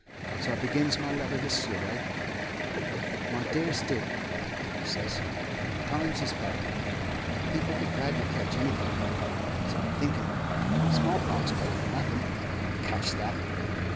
So I begins my letter this yer way: 'My dearest dear,' I says, 'times es bad, and people be glad to catch anything; so I, thinkin' small pox better than nothin', catched that.